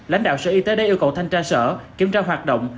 lãnh đạo sở y tế đã yêu cầu thanh tra sở kiểm tra hoạt động